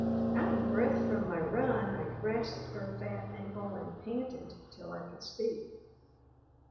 Out of breath from my run, I grasped her fat ankle and panted till I could speak.